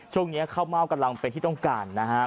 ช่วงนี้ข้าวเม่ากำลังเป็นที่ต้องการนะครับ